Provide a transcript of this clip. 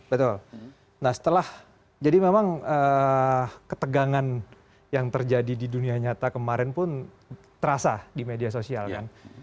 betul nah setelah jadi memang ketegangan yang terjadi di dunia nyata kemarin pun terasa di media sosial kan